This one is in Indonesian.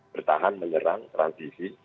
bertahan menyerang transisi